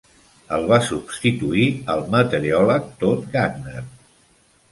El va substituir el meteoròleg Todd Gutner.